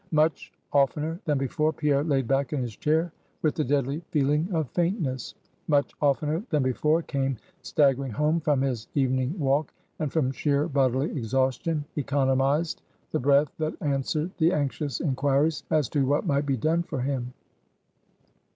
Much oftener than before, Pierre laid back in his chair with the deadly feeling of faintness. Much oftener than before, came staggering home from his evening walk, and from sheer bodily exhaustion economized the breath that answered the anxious inquiries as to what might be done for him.